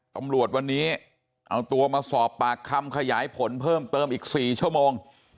ตำรวจวันนี้เอาตัวมาสอบปากคำขยายผลเพิ่มเติมอีก๔ชั่วโมง